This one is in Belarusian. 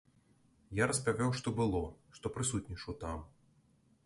Я распавёў, што было, што прысутнічаў там.